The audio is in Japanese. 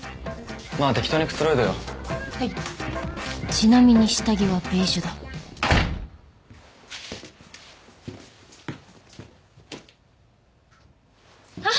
ちなみに下着はベージュだハハッ。